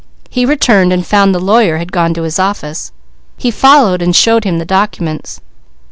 He returned and found the lawyer had gone to his office. He followed and showed him the documents.